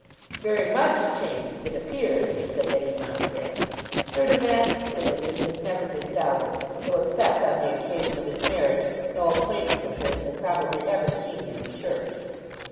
"Very much changed, it appears," said Lady Monogram. Sir Damask's religion had never been doubted, though except on the occasion of his marriage no acquaintance of his had probably ever seen him in church.